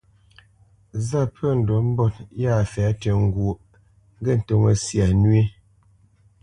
Zât pə̂ ndǔ mbot yâ a fɛ̌ tʉ́ ŋgwóʼ, ŋgê ntóŋə́ syâ nwē.